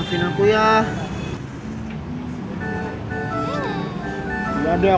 aku nunggu nya lebih lama lagi